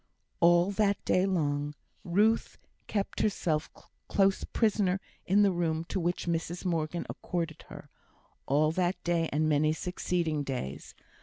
All that day long, Ruth kept herself close prisoner in the room to which Mrs Morgan accorded her; all that day, and many succeeding days.